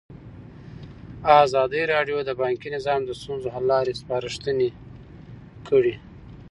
ازادي راډیو د بانکي نظام د ستونزو حل لارې سپارښتنې کړي.